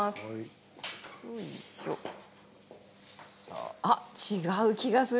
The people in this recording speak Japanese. あっ違う気がするこれ。